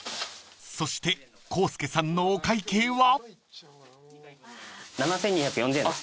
［そして浩介さんのお会計は？］